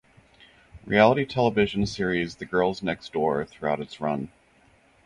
Reality television series "The Girls Next Door" throughout its run.